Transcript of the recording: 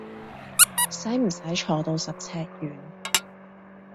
使唔使坐到十尺遠？